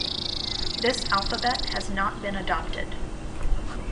This alphabet has not been adopted.